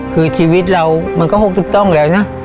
คือชีวิตเรามันก็คงถูกต้องแล้วนะ